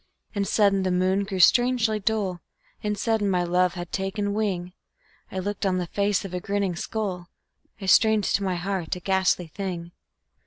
And sudden the moon grew strangely dull, And sudden my love had taken wing; I looked on the face of a grinning skull, I strained to my heart a ghastly thing.